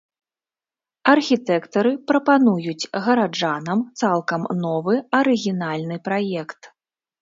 Архітэктары прапануюць гараджанам цалкам новы, арыгінальны праект.